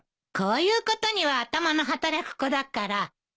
こういうことには頭の働く子だから。